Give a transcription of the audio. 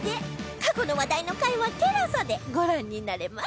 過去の話題の回は ＴＥＬＡＳＡ でご覧になれます